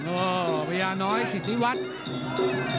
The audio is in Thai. โอ้พระยาน้อยสิติวัฒน์